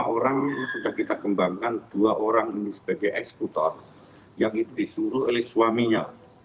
lima orang sudah kita kembangkan dua orang ini sebagai eksekutor yang disuruh oleh suaminya